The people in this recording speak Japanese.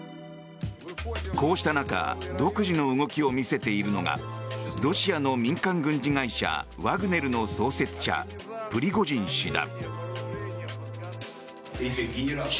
こうした中独自の動きを見せているのがロシアの民間軍事会社ワグネルの創設者、プリゴジン氏だ。